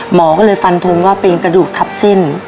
หมอก็เลยฟันทงว่าเป็นกระดูกทับเส้น